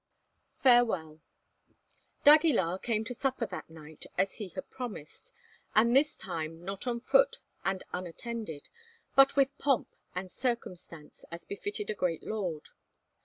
FAREWELL. D'Aguilar came to supper that night as he had promised, and this time not on foot and unattended, but with pomp and circumstance as befitted a great lord.